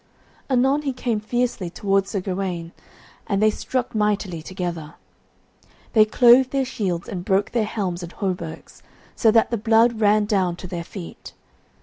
Anon he came fiercely towards Sir Gawaine, and they struck mightily together. They clove their shields and broke their helms and hauberks so that the blood ran down to their feet.